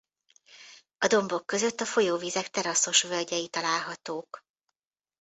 A dombok között a folyóvizek teraszos völgyei találhatók.